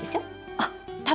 あっ！